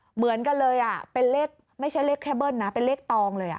เหมือนกันเลยเป็นเลขไม่ใช่เลขแค่เบิ้ลนะเป็นเลขตองเลย